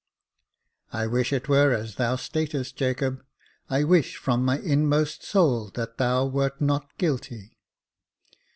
I wish it were as thou statest, Jacob — I wish from my inmost soul that thou wert not guilty."